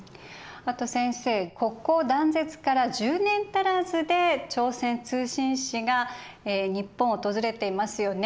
あと先生国交断絶から１０年足らずで朝鮮通信使が日本を訪れていますよね。